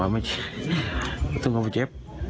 มันต้องเอาไปเจ็บ